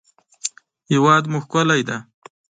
هېواد مو ښکلی دی